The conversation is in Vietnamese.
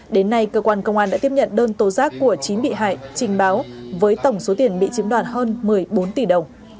đến nay cơ quan công an đã tiếp nhận đơn tố giác của chín bị hại trình báo với tổng số tiền bị chiếm đoạt hơn một mươi bốn tỷ đồng